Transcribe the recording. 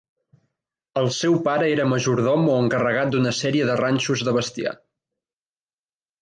El seu pare era majordom o encarregat d'una sèrie de ranxos de bestiar.